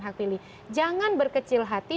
hak pilih jangan berkecil hati